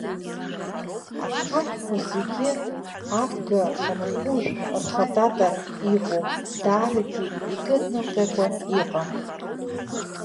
Ахаҳәқәа зегьы абга рхәыжә рхатата иҟоуп, даарагьы икыднамҟьакәа иҟам.